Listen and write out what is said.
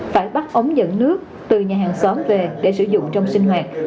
phải bắt ống dẫn nước từ nhà hàng xóm về để sử dụng trong sinh hoạt